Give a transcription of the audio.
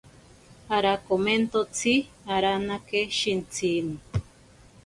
Arakomentotsi aranake shintsini.